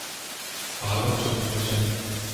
拔贡生出身。